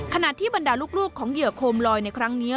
ขณะที่บรรดาลูกของเหยื่อโคมลอยในครั้งนี้